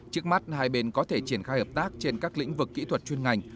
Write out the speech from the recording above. trước mắt hai bên có thể triển khai hợp tác trên các lĩnh vực kỹ thuật chuyên ngành